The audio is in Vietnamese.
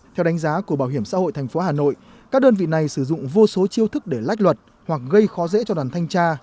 theo đánh giá của bảo hiểm xã hội tp hà nội các đơn vị này sử dụng vô số chiêu thức để lách luật hoặc gây khó dễ cho đoàn thanh tra